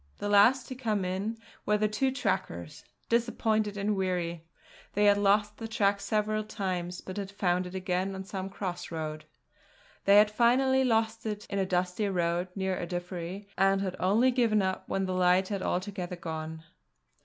The last to come in were the two trackers, disappointed and weary. They had lost the track several times; but had found it again on some cross road. They had finally lost it in a dusty road near Ardiffery and had only given up when the light had altogether gone.